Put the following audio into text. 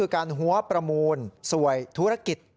การหัวประมูลสวยธุรกิจ